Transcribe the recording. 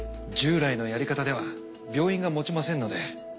従来のやり方では病院がもちませんので。